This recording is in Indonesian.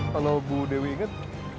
kalau bu dewi inget